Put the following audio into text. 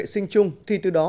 giữ gìn vệ sinh chung thì từ đó